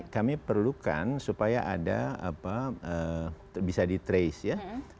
kami perlukan supaya bisa di trace